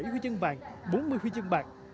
một mươi bảy huy chương vàng bốn mươi huy chương bạc